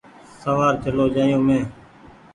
سوآر چلو جآيو مينٚ